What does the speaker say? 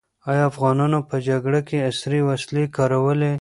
ایا افغانانو په جګړه کې عصري وسلې کارولې؟